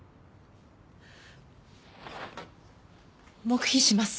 黙秘します。